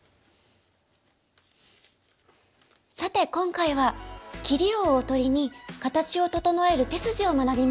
さて今回は切りをおとりに形を整える手筋を学びました。